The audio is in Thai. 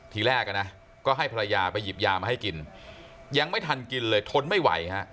ทีแรกอ่ะนะก็ให้ภรรยาไปหยิบยามาให้กินยังไม่ทันกินเลยทนไม่ไหวฮะ